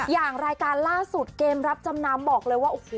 อย่างรายการล่าสุดเกมรับจำนำบอกเลยว่าโอ้โห